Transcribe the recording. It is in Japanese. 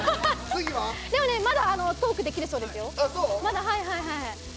でもまだトークできるそうですよ。